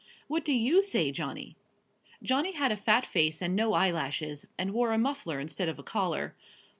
"What do you say, Johnny?" Johnny had a fat face and no eyelashes, and wore a muffler instead of a collar.